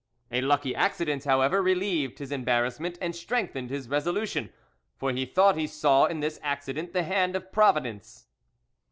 A lucky accident, however, relieved his embarrassment and strengthened his resolution, for he thought he saw in this accident the hand of Providence.